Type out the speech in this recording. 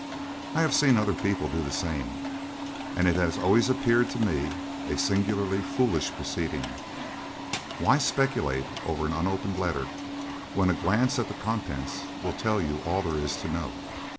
I have seen other people do the same, and it has always appeared to me a singularly foolish proceeding. Why speculate over an unopened letter when a glance at the contents will tell you all there is to know?"